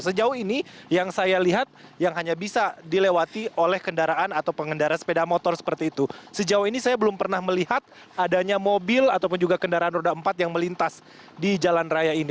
sejauh ini yang saya lihat yang hanya bisa dilewati oleh kendaraan atau pengendara sepeda motor seperti itu sejauh ini saya belum pernah melihat adanya mobil ataupun juga kendaraan roda empat yang melintas di jalan raya ini